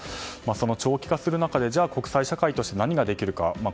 その長期化する中でじゃあ、国際社会として何ができるか。